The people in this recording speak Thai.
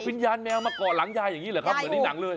วิญญาณแมวมาเกาะหลังยายอย่างนี้เหรอครับเหมือนในหนังเลย